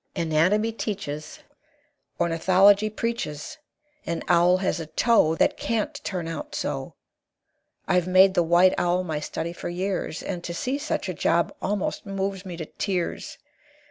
Anatomy teaches, Ornithology preaches, An owl has a toe That can't turn out so! I've made the white owl my study for years, And to see such a job almost moves me to tears!